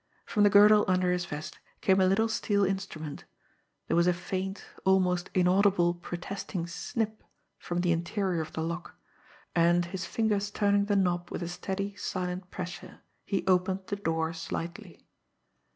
From the girdle under his vest came a little steel instrument; there was a faint, almost inaudible, protesting snip from the interior of the lock; and, his fingers turning the knob with a steady, silent pressure, he opened the door slightly.